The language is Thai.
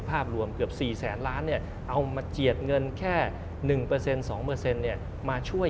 อย่างเช่นถ้าเอามาช่วย